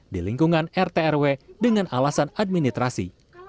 di lingkungan rtrw dengan alasan administrasi